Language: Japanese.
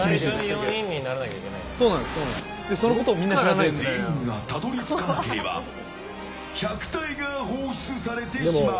全員がたどり着かなければ１００体が放出されてしまう。